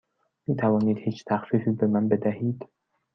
می توانید هیچ تخفیفی به من بدهید؟